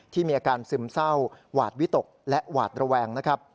มีอาการซึมเศร้าหวาดวิตกและหวาดระแวงนะครับ